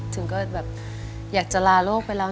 ถึงก็แบบอยากจะลาโลกไปแล้ว